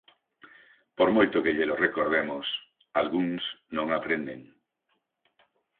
Por moito que llelo recordemos, algúns non aprenden.